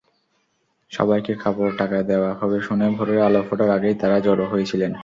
সবাইকে কাপড়-টাকা দেওয়া হবে শুনে ভোরের আলো ফোটার আগেই তাঁরা জড়ো হয়েছিলেন।